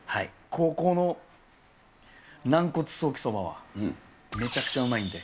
ここの軟骨ソーキそばは、えー！